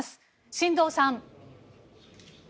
進藤さん。